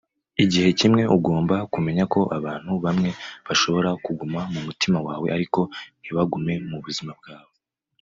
igihe kimwe, ugomba kumenya ko abantu bamwe bashobora kuguma mu mutima wawe ariko ntibagume mu buzima bwawe